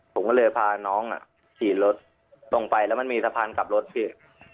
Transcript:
ผมก็เลยพาน้องขี่รถตรงไปแล้วมันมีสะพานกลับรถพี่